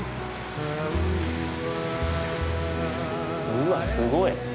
うわっすごい。